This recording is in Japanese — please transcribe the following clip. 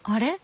あれ？